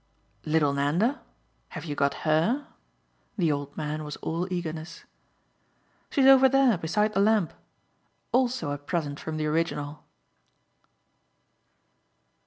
"Little Nanda? have you got HER?" The old man was all eagerness. "She's over there beside the lamp also a present from the original."